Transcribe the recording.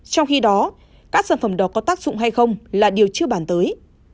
trong khi đó các sản phẩm đó có tác dụng hay không là điều chưa bàn tới